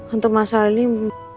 untuk masalah ini